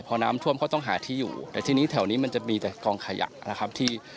พอน้ำท่วมเขาต้องหาที่อยู่แต่ทีนี้แถวนี้มันจะมีแต่กองขยะนะครับที่